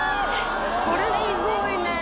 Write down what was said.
これすごいね。